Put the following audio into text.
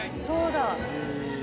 そうだ。